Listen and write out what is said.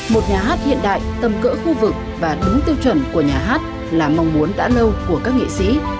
một nhà hát hiện đại tầm cỡ khu vực và đúng tiêu chuẩn của nhà hát là mong muốn đã lâu của các nghệ sĩ